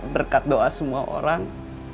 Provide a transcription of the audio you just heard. berkat doa semua orang